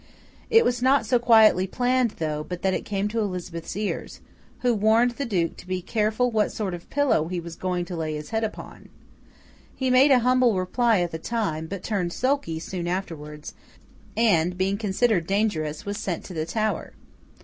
It was not so quietly planned, though, but that it came to Elizabeth's ears, who warned the Duke 'to be careful what sort of pillow he was going to lay his head upon.' He made a humble reply at the time; but turned sulky soon afterwards, and, being considered dangerous, was sent to the Tower.